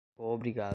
coobrigado